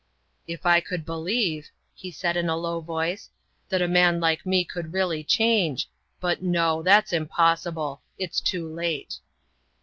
"If I could believe," he said in a low voice, "that a man like me could really change but no! That's impossible! It's too late!"